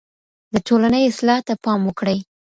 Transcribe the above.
د ټولني اصلاح ته پام وکړئ.